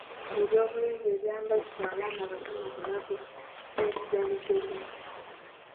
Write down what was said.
Eby’obulungi ebyambazibwa abaana abato mu bulago biyitibwa bijogo.